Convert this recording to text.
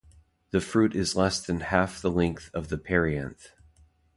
The fruit is less than half the length of the perianth.